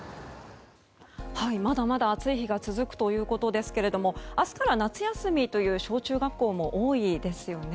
まだまだ暑い日が続くということですが明日から夏休みという小中学校も多いですよね。